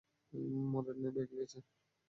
মরেন নাই, ভেগে গেছেন।